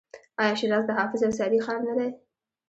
آیا شیراز د حافظ او سعدي ښار نه دی؟